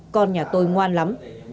con nhà tôi ngoan lắm